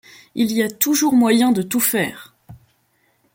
Il y a toujours moyen de tout faire !